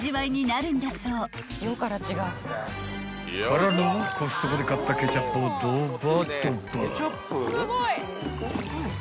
［からのコストコで買ったケチャップをドバドバ］